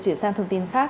chuyển sang thông tin khác